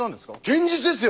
堅実ですよ